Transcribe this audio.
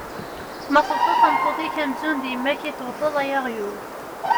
Ma tewteḍ tameṭṭut-ik amzun d yemma-k i tewteḍ, ay aɣyul.